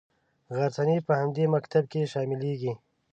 غرڅنۍ په همدې مکتب کې شاملیږي.